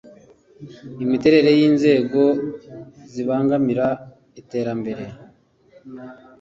Imiterere y’inzego zibangamira iterambere